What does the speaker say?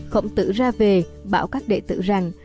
khổng tử ra về bảo các đệ tử rằng